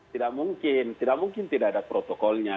tidak mungkin tidak mungkin tidak ada protokolnya